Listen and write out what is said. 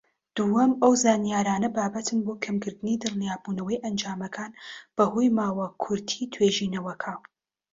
دووەم، ئەو زانیاریانە بابەتن بۆ کەمکردنی دڵنیابوونەوە ئەنجامەکان بەهۆی ماوە کورتی توێژینەوەکە.